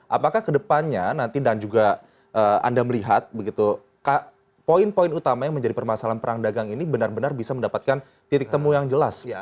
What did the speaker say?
apakah kedepannya nanti dan juga anda melihat begitu poin poin utama yang menjadi permasalahan perang dagang ini benar benar bisa mendapatkan titik temu yang jelas